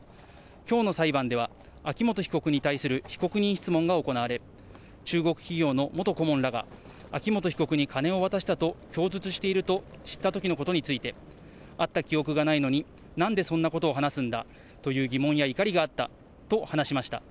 きょうの裁判では、秋元被告に対する被告人質問が行われ、中国企業の元顧問らが、秋元被告に金を渡したと供述していると知ったときのことについて、会った記憶がないのに、なんでそんなことを話すんだという疑問や怒りがあったと話しました。